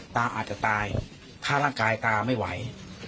อาจจะตายถ้าร่างกายตาไม่ไหว